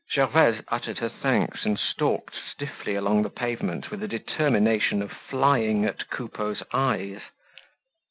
Gervaise uttered her thanks and stalked stiffly along the pavement with the determination of flying at Coupeau's eyes.